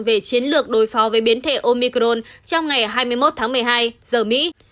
về chiến lược đối phó với biến thể omicron trong ngày hai mươi một tháng một mươi hai giờ mỹ